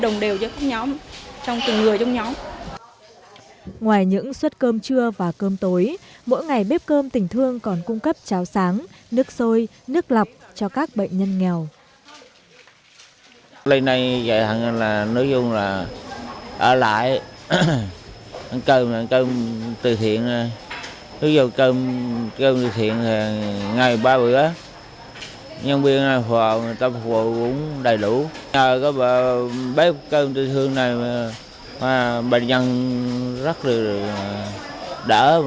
ngoài những xuất cơm trưa và cơm tối mỗi ngày bếp cơm tình thương còn cung cấp cháo sáng nước sôi nước lọc cho các bệnh nhân nghèo